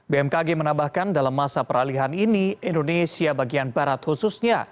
bmkg menambahkan dalam masa peralihan ini indonesia bagian barat khususnya